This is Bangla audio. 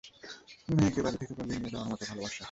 মেয়েকে বাড়ি থেকে পালিয়ে নিয়ে যাওয়ার মত ভালোবাসা।